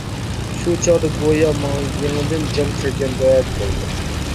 شۇ چاغدا گويا ماڭا يېڭىدىن جان كىرگەندەك بولدى.